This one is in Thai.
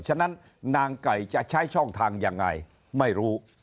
ฉะนั้นนางไก่จะใช้ช่องทางยังไงไม่รู้